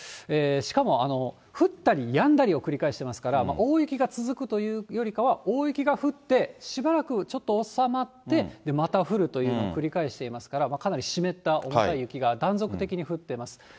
しかも、降ったりやんだりを繰り返してますから、大雪が続くというよりかは、大雪が降って、しばらくちょっと収まって、また降るというのを繰り返していますから、かなり湿った重たい雪が断続的に降ってます。